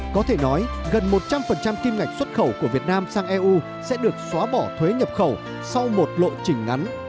có thể nói gần một trăm linh kim ngạch xuất khẩu của việt nam sang eu sẽ được xóa bỏ thuế nhập khẩu sau một lộ trình ngắn